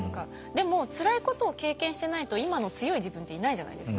でもつらいことを経験してないと今の強い自分っていないじゃないですか。